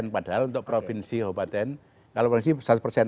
padahal untuk provinsi kabupaten